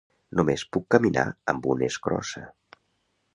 Només puc caminar amb unes crossa.